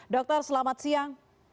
dokter selamat siang